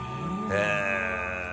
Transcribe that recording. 「へえ」